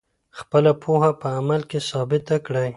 خپله پوهه په عمل کي ثابته کړئ.